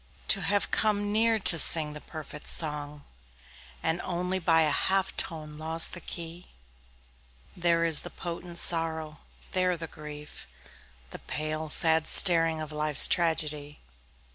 To have come near to sing the perfect song And only by a half tone lost the key, There is the potent sorrow, there the grief, The pale, sad staring of life's tragedy.